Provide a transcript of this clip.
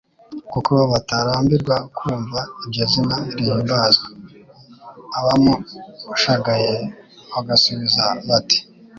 Kuko batarambirwa kumva iryo zina rihimbazwa. Abamushagaye bagasubiza, bati :